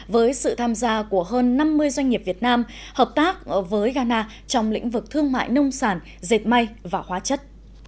với sự tham gia của hơn năm mươi doanh nghiệp việt nam hợp tác với ghana trong lĩnh vực thương mại nông sản dệt may và hóa chất